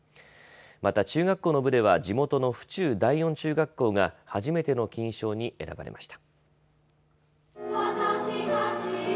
また中学校の部では地元の府中第四中学校が初めての金賞に選ばれました。